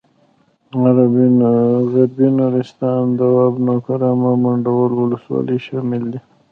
غربي نورستان دواب نورګرام او منډول ولسوالۍ شاملې دي.